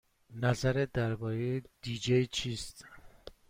نظرت درباره دی جی چیست؟